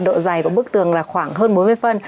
độ dày của bức tường là khoảng hơn bốn mươi phân